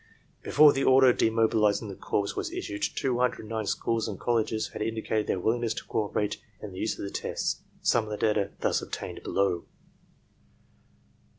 Before the order demobilizing the Corps was issued two hundred and nine schools and colleges had indicated their willingness to cooperate in the use of the tests. Some of the data thus obtained follow.